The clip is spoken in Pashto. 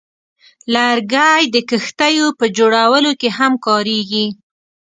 لرګی د کښتیو په جوړولو کې هم کارېږي.